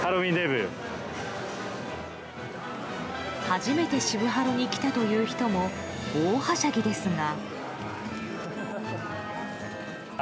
初めて渋ハロに来たという人も大はしゃぎですが。